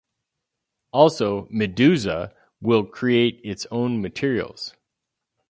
Also, "Meduza" will create its own materials.